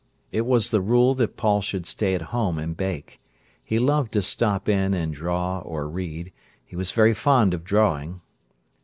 It was the rule that Paul should stay at home and bake. He loved to stop in and draw or read; he was very fond of drawing.